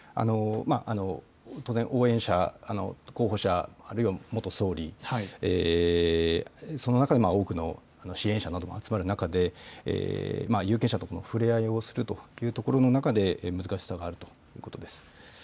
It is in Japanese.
当然、応援者、候補者、あるいは元総理、その中で多くの支援者なども集まる中で、有権者との触れ合いをするというところの中で、難しさがあるということです。